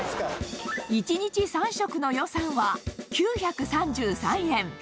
１日３食の予算は９３３円。